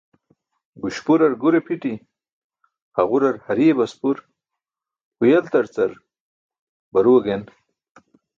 Guśpurar gure phiṭi, haġurar hariye baspur, huyeltarcar barue gen/tʰoti